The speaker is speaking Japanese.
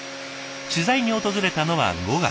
取材に訪れたのは５月。